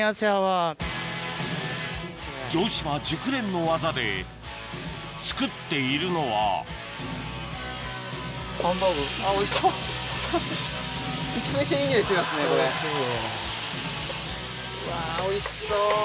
城島熟練の技で作っているのはあぁおいしそう。うわおいしそう。